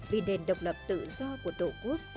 vì nền độc lập tự do của tổ quốc